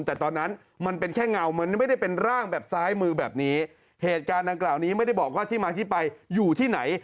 แต่ตอนนั้นมันเป็นแค่เงามันไม่ได้เป็นร่างแบบซ้ายมือแบบนี้เหตุการณ์ดังกล่าวนี้ไม่ได้บอกว่าที่มาที่ไปอยู่ที่ไหน